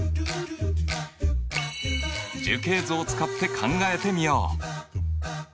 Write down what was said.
樹形図を使って考えてみよう！